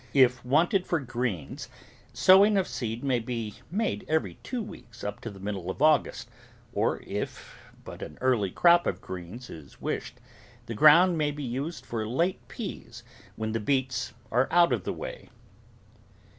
If wanted for greens, sowings of seed may be made every two weeks up to the middle of Au gust, or, if but an early crop of greens is wished, the ground may be used for late peas when the beets are out of the way.